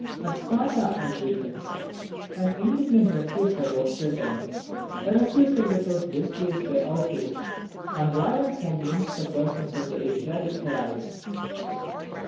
At Sparta and Athens an indignant refusal was returned: a refusal which was disgraced by outrage and violence against the persons of the Asiatic heralds.